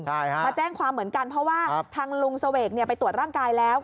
ใช่ฮะมาแจ้งความเหมือนกันเพราะว่าทางลุงเสวกไปตรวจร่างกายแล้ว